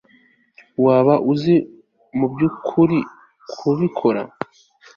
waba uzi mubyukuri kubikora